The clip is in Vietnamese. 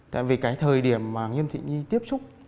tại vì cái thời điểm mà nghiêm thị nhi tiếp xúc